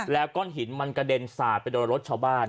แล้วก้อนหินมันกระเด็นสาดไปโดนรถชาวบ้าน